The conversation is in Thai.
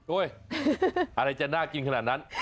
อะไรจะน่ากินขนาดนั้น